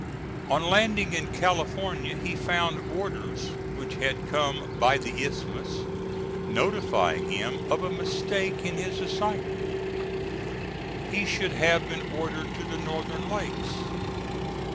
On landing in California he found orders which had come by the Isthmus, notifying him of a mistake in his assignment; he should have been ordered to the northern lakes.